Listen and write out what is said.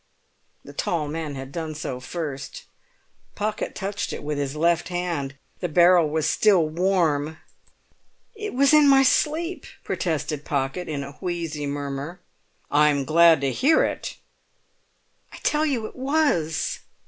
The tall man had done so first. Pocket touched it with his left hand. The barrel was still warm. "It was in my sleep," protested Pocket, in a wheezy murmur. "I'm glad to hear it." "I tell you it was!"